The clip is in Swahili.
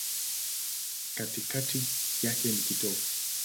Katikati yake ni kitovu.